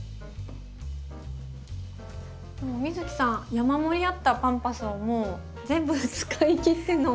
美月さん山盛りあったパンパスをもう全部使い切っての。